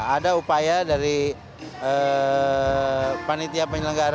ada upaya dari panitia penyelenggara